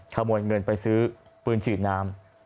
ขโมยเงินไปซื้อปืนฉีดน้ำ